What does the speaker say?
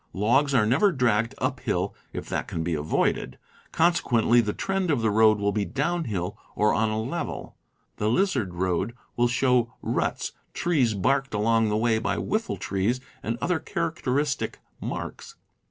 Logs are never dragged uphill if that can be avoided ; consequently the trend of the road will be downhill, or on a level. The lizard road will show ruts, trees barked along the way by whiffle trees, and other characteristic marks.